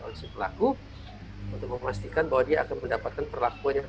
oleh si pelaku untuk memastikan bahwa dia akan mendapatkan perlakuan yang